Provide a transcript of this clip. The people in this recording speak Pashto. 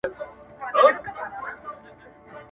که یې لمبو دي ځالګۍ سوځلي-